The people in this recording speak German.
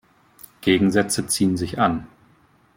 Gegensätze ziehen sich an.